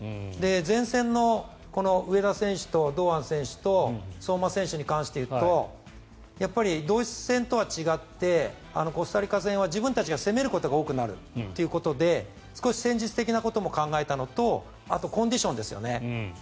前線の上田選手と堂安選手と相馬選手に関して言うとドイツ戦とは違ってコスタリカ戦は自分たちが攻めることが多くなるということで少し戦術的なことも考えたのとあと、コンディションですよね。